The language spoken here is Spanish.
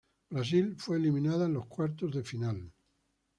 Brasil fue eliminada en los Cuartos de Final.